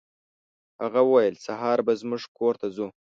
هغه ویل سهار به زموږ کور ته ځو.